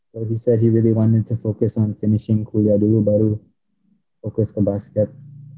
jadi dia bilang dia ingin fokus ke kuliah dulu baru fokus ke basket